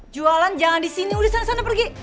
jualan jangan disini udah sana sana pergi